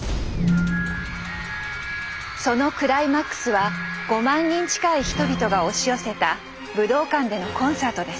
そのクライマックスは５万人近い人々が押し寄せた武道館でのコンサートです。